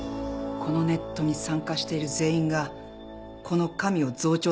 このネットに参加している全員がこの神を増長させているのは間違いない。